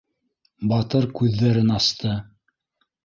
Батыр күҙҙәрен асты.